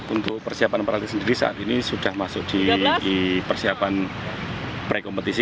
untuk persiapan peralihan sendiri saat ini sudah masuk di persiapan prekompetisi